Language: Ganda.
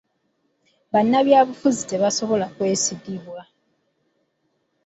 Bannabyabufuzi tebasobola kwesigibwa,